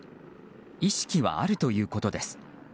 意識はあるということです。